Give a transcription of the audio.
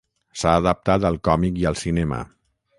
S'ha adaptat al còmic i al cinema.